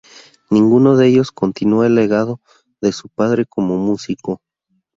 Ninguno de ellos continuó el legado de su padre como músico.